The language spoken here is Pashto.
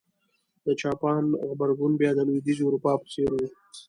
د جاپان غبرګون بیا د لوېدیځې اروپا په څېر و.